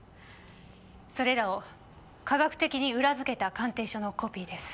それらを科学的に裏付けた鑑定書のコピーです。